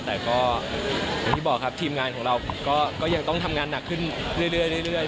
แต่ก็อย่างที่บอกครับทีมงานของเราก็ยังต้องทำงานหนักขึ้นเรื่อย